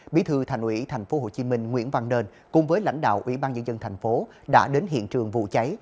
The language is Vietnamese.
bí thư thành ủy tp hcm nguyễn văn nên cùng với lãnh đạo ủy ban nhân dân thành phố đã đến hiện trường vụ cháy